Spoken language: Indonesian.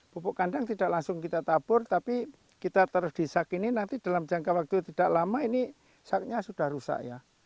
pupuk kandang tidak langsung kita tabur tapi kita terus disak ini nanti dalam jangka waktu tidak lama ini saknya sudah rusak ya